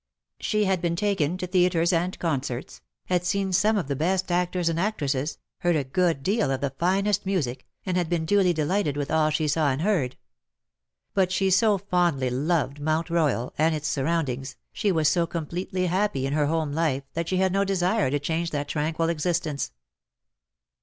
She had been taken to theatres and concerts,, had seen some of the best actors and actresses^ heard a good deal of the finest music, and had been duly delighted with all she saw and heard. But she so fondly loved Mount Royal and its surroundings, she was so completely happy in her home life, that she had no desire to change that tranquil existence.